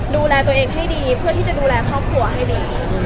ดูแลตัวเองให้ดีเพื่อที่จะดูแลครอบครัวให้ดี